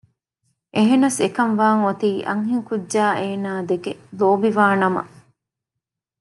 އެހެނަސް އެކަންވާން އޮތީ އަންހެން ކުއްޖާ އޭނާދެކެ ލޯބިވާ ނަމަ